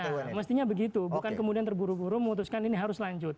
ya mestinya begitu bukan kemudian terburu buru memutuskan ini harus lanjut